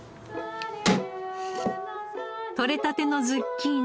採れたてのズッキーニ。